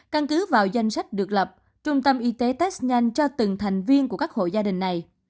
căn cứ vào danh sách được lập trung tâm y tế test nhanh cho từng thành viên của các hộ gia đình này